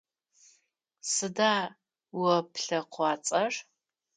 Сыда о плъэкъуацӏэр?